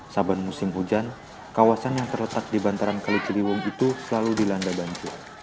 saban musim hujan kawasan yang terletak di bantaran kali ciliwung itu selalu dilanda banjir